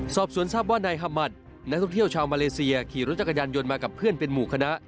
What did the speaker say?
สอบสวนทราบว่านายฮามัตินักท่องเที่ยวชาวมาเลเซียขี่รถจักรยานยนต์มากับเพื่อนเป็นหมู่คณะ